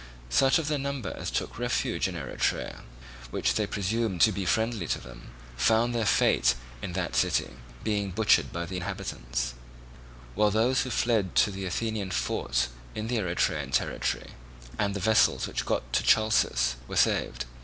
Such of their number as took refuge in Eretria, which they presumed to be friendly to them, found their fate in that city, being butchered by the inhabitants; while those who fled to the Athenian fort in the Eretrian territory, and the vessels which got to Chalcis, were saved.